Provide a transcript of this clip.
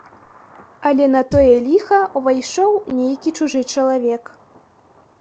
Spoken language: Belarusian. Але на тое ліха ўвайшоў нейкі чужы чалавек.